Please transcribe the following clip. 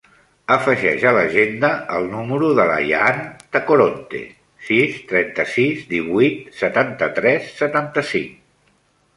Afegeix a l'agenda el número de l'Ayaan Tacoronte: sis, trenta-sis, divuit, setanta-tres, setanta-cinc.